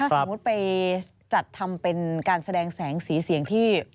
สมมุติไปจัดทำเป็นการแสดงแสงสีเสียงที่